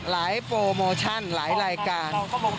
โปรโมชั่นหลายรายการ